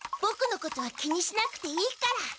ボクのことは気にしなくていいから。